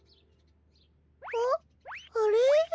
んっあれ？